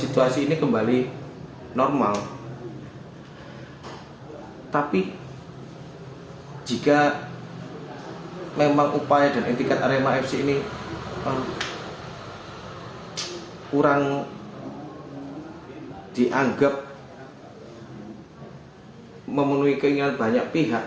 tapi jika memang upaya dan intikan arema fc ini kurang dianggap memenuhi keinginan banyak pihak